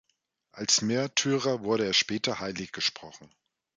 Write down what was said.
Als Märtyrer wurde er später heiliggesprochen.